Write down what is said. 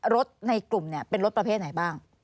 รถในกลุ่มเป็นรถประเภทไหนบ้าง